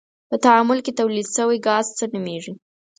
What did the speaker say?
په تعامل کې تولید شوی ګاز څه نومیږي؟